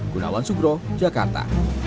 gunawan sugro jakarta